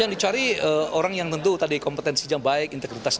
yang dicari orang yang tentu kompetensi jambatan